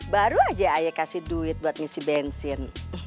baru aja ayah kasih duit buat ngisi bensin